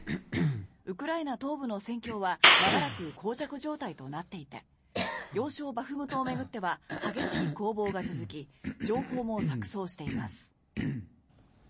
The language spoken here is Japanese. ウクライナ東部の戦況は長らくこう着状態となっていて要衝バフムトを巡っては激しい攻防が続き情報も錯そうしています。